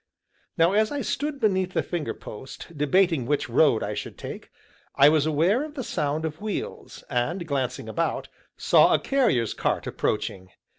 Now as I stood beneath the finger post, debating which road I should take, I was aware of the sound of wheels, and, glancing about, saw a carrier's cart approaching.